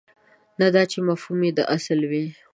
نه دا چې مفهوم دې اصل وي.